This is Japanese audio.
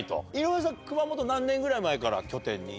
井上さん、熊本、何年ぐらい前から拠点に？